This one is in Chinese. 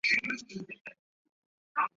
于中国有些区域民众会用其制作咸鸭蛋。